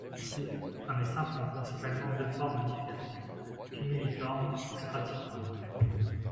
Ainsi, un essaim prend principalement deux formes différentes: cumuliforme ou stratiforme.